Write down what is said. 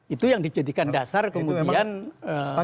itu yang dijadikan dasar kemudian ee